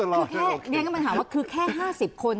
ก็แย้งกับปัญหาว่าคือแค่๕๐คน